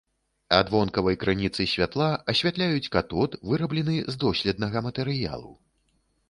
Ад вонкавай крыніцы святла асвятляюць катод, выраблены з доследнага матэрыялу.